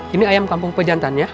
ini ayam kampung pejantan ya